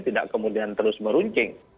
tidak kemudian terus meruncing